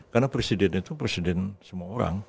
karena presiden itu presiden semua orang